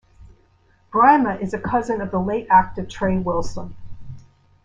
Brimer is a cousin of the late actor Trey Wilson.